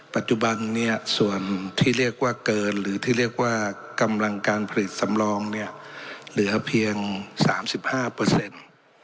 ปัจจุบันเนี่ยส่วนที่เรียกว่าเกินหรือที่เรียกว่ากำลังการผลิตสำรองเนี่ยเหลือเพียงสามสิบห้าเปอร์เซ็นต์